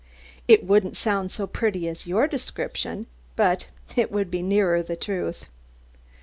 It wouldn't sound so pretty as your description, but it would be nearer the truth."